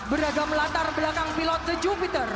beragam latar belakang pilot the jupiter